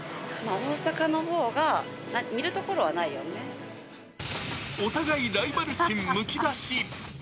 大阪のほうが、見る所はないお互い、ライバル心むき出し。